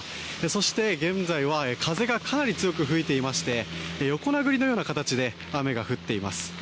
そして、現在は風がかなり強く吹いていまして横殴りのような形で雨が降っています。